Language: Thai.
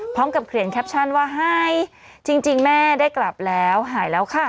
พร้อมกับเขียนแคปชั่นว่าหายจริงแม่ได้กลับแล้วหายแล้วค่ะ